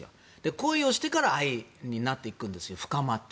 恋をしてから愛になっていくんですよ、深まって。